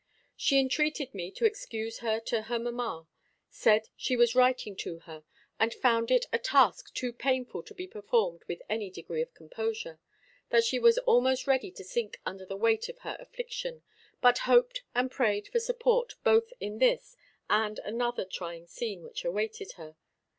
She entreated me to excuse her to her mamma; said she was writing to her, and found it a task too painful to be performed with any degree of composure; that she was almost ready to sink under the weight of her affliction; but hoped and prayed for support both in this and another trying scene which awaited her.